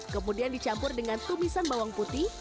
kemudian dicampur dengan tumisan bawang putih